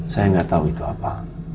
saya nggak tahu itu apa